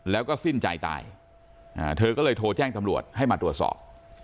แล้วก็สิ้นใจตายเธอก็เลยโทรแจ้งตำรวจให้มาตรวจสอบ